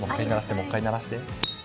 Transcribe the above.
もう１回鳴らして。